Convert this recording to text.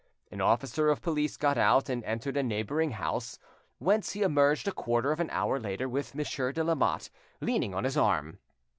An officer of police got out and entered a neighbouring house, whence he emerged a quarter of an hour later with Monsieur de Lamotte leaning on his arm.